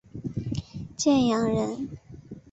建阳人。